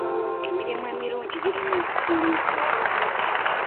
Emirimu emirungi girina okusiimibwa.